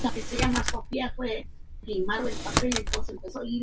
Este tipo de corridos promueve un estilo de vida de consumo y excesos.